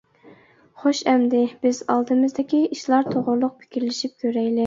خوش ئەمدى بىز ئالدىمىزدىكى ئىشلار توغرۇلۇق پىكىرلىشىپ كۆرەيلى.